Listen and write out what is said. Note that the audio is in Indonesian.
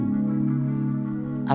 biar kalau jumatan